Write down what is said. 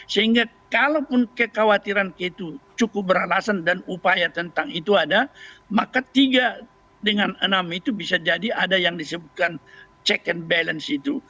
sehingga kalaupun kekhawatiran itu cukup beralasan dan upaya tentang itu ada maka tiga dengan enam itu bisa jadi ada yang disebutkan check and balance itu